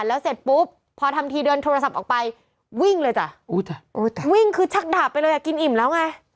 แล้วเสร็จปุ๊บพอทำทีเดินโทรศัพท์ออกไปวิ่งเลยจ้ะวิ่งคือชักดาบไปเลยอ่ะกินอิ่มแล้วไง